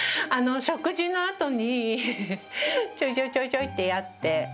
食事のあとにちょいちょいちょいちょいってやって。